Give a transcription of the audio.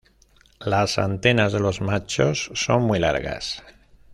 Las antenas de los machos son muy largas.